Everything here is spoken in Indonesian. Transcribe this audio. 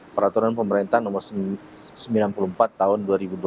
peraturan pemerintah nomor sembilan puluh empat tahun dua ribu dua puluh